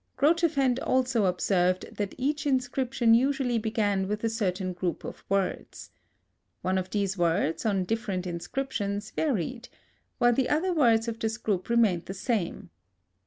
Grotefend also observed that each inscription usually began with a certain group of words. One of these words, on different inscriptions, varied, while the other words of this group remained the same.